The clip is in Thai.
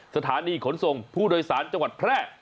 สถานีขนส่งผู้โดยสารจังหวัดแพร่